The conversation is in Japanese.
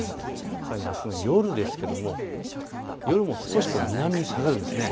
さらにあすの夜ですが夜も少し南に下がるんです。